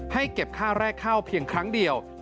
ให้เก็บค่าแรกเข้าเพียงครั้งเดียว